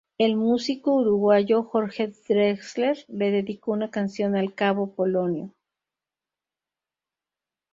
El músico uruguayo Jorge Drexler le dedicó una canción al cabo Polonio.